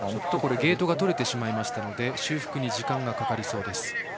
ゲートが取れてしまいましたので修復に時間がかかりそうです。